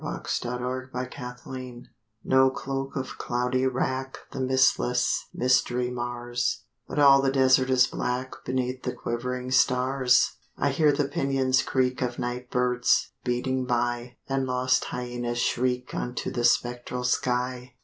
III SOUL SCORN No cloak of cloudy wrack The mistless mystery mars, But all the desert is black Beneath the quivering stars. I hear the pinions creak Of night birds, beating by; And lost hyaenas shriek Unto the spectral sky.